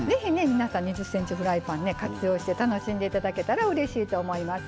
皆さん２０ｃｍフライパンね活用して楽しんで頂けたらうれしいと思います。